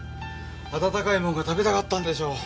温かいもんが食べたかったんでしょう。